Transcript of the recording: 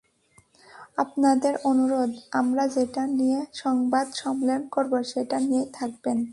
আপনাদের অনুরোধ, আমরা যেটা নিয়ে সংবাদ সম্মেলন করব, সেটা নিয়েই থাকবেন।